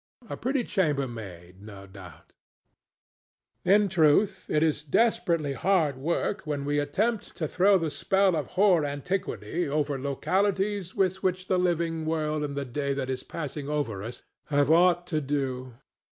A pretty chambermaid, no doubt. In truth, it is desperately hard work when we attempt to throw the spell of hoar antiquity over localities with which the living world and the day that is passing over us have aught to do.